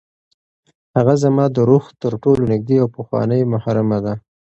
هغه زما د روح تر ټولو نږدې او پخوانۍ محرمه ده.